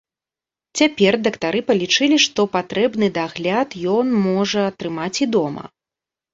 Цяпер дактары палічылі, што патрэбны дагляд ён можа атрымаць і дома.